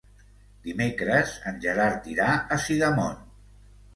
Dimecres en Gerard irà a Sidamon.